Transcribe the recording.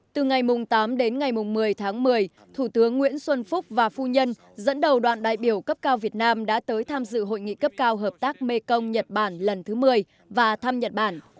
từ ngày tám đến ngày một mươi tháng một mươi thủ tướng nguyễn xuân phúc và phu nhân dẫn đầu đoàn đại biểu cấp cao việt nam đã tới tham dự hội nghị cấp cao hợp tác mekong nhật bản lần thứ một mươi và thăm nhật bản